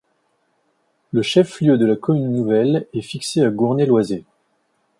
Le chef-lieu de la commune nouvelle est fixé à Gournay-Loizé.